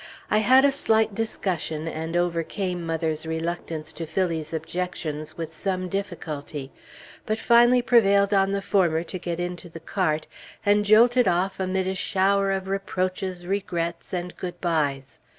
I had a slight discussion, and overcame mother's reluctance to Phillie's objections with some difficulty; but finally prevailed on the former to get into the cart, and jolted off amid a shower of reproaches, regrets, and good byes.